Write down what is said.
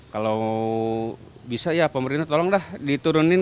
kalau bisa ya pemerintah tolonglah diturunin